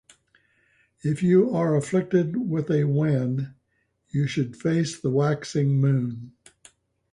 If you are afflicted with a wen, you should face the waxing moon.